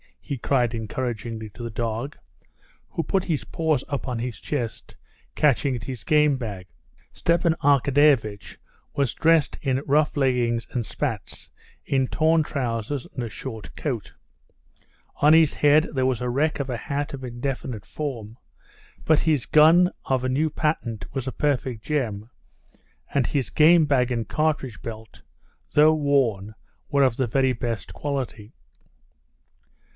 he cried encouragingly to the dog, who put his paws up on his chest, catching at his game bag. Stepan Arkadyevitch was dressed in rough leggings and spats, in torn trousers and a short coat. On his head there was a wreck of a hat of indefinite form, but his gun of a new patent was a perfect gem, and his game bag and cartridge belt, though worn, were of the very best quality.